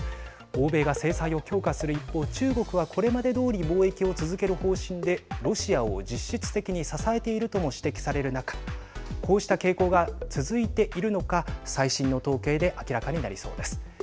欧米が制裁を強化する一方中国はこれまでどおり貿易を続ける方針でロシアを実質的に支えているとも指摘される中こうした傾向が続いているのか最新の統計で明らかになりそうです。